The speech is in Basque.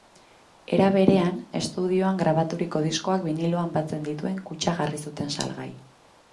Era berean, estudioan grabaturiko diskoak biniloan batzen dituen kutxa jarri zuten salgai.